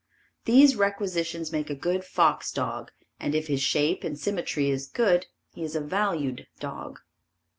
These requisitions make a good fox dog and if his shape and symmetry is good, he is a valued dog.